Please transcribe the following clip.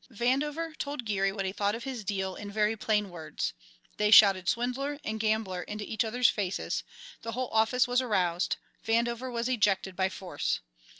Vandover told Geary what he thought of his "deal" in very plain words. They shouted "swindler" and "gambler" into each other's faces; the whole office was aroused; Vandover was ejected by force.